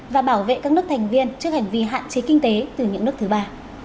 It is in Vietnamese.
và bảo vệ các nước thành viên trước hành vi hạn chế kinh tế từ những nước thứ ba